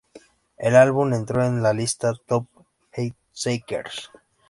El álbum entró en las listas Top Heatseekers.